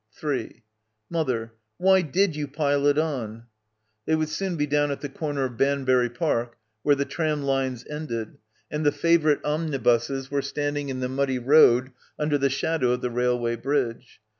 3 "Mother, why did you pile it on?" They would soon be down at the corner of Banbury Park where the tram lines ended and the Favorite omnibuses were standing in the muddy road under the shadow of the railway bridge.